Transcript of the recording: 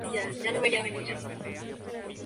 Le Quartier